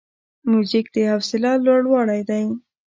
موزیک د حوصله لوړاوی دی.